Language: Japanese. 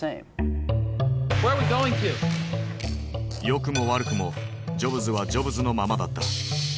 良くも悪くもジョブズはジョブズのままだった。